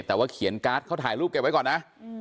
แต่ว่าเขียนการ์ดเขาถ่ายรูปเก็บไว้ก่อนนะ